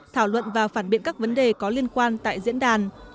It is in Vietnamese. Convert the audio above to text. thảo luận và phản biện các vấn đề có liên quan tại diễn đàn